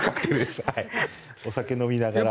お酒を飲みながら。